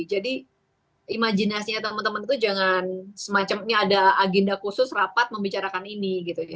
jadi imajinasinya teman teman itu jangan semacamnya ada agenda khusus rapat membicarakan ini gitu ya